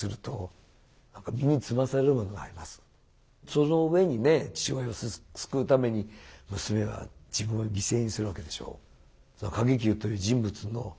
その上にね父親を救うために娘が自分を犠牲にするわけでしょ。